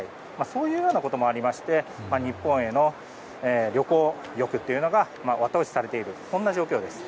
そういうようなこともありまして日本への旅行欲が後押しされている状況です。